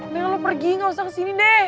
neng lo pergi gak usah kesini deh